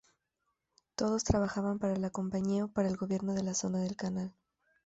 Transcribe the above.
Todos trabajaban para la Compañía o para el Gobierno de la Zona del Canal.